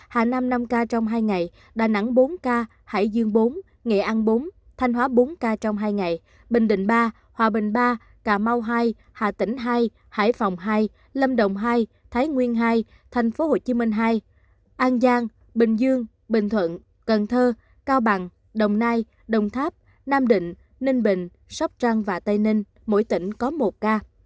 hà nam năm ca trong hai ngày đà nẵng bốn ca hải dương bốn nghệ an bốn thanh hóa bốn ca trong hai ngày bình định ba hòa bình ba cà mau hai hà tĩnh hai hải phòng hai lâm đồng hai thái nguyên hai tp hcm hai an giang bình dương bình thuận cần thơ cao bằng đồng nai đồng tháp nam định ninh bình sóc trăng và tây ninh mỗi tỉnh có một ca